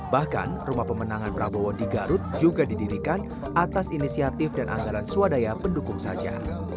bahkan rumah pemenangan prabowo di garut juga didirikan atas inisiatif dan anggaran swadaya pendukung saja